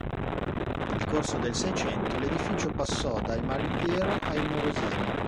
Nel corso del Seicento l'edificio passò dai Malipiero ai Morosini.